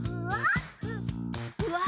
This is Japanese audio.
うわ！